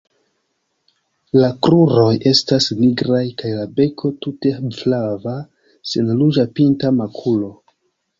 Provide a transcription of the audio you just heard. La kruroj estas nigraj kaj la beko tute flava sen ruĝa pinta makulo.